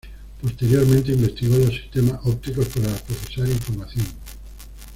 Posteriormente, investigó los sistemas ópticos para procesar información.